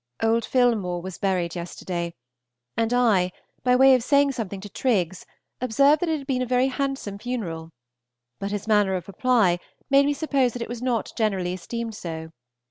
Old Philmore was buried yesterday, and I, by way of saying something to Triggs, observed that it had been a very handsome funeral; but his manner of reply made me suppose that it was not generally esteemed so.